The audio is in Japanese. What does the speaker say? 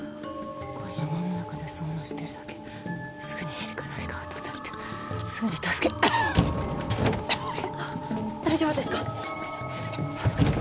ここは山の中で遭難してるだけすぐにヘリか何かが飛んできてすぐに助け大丈夫ですか？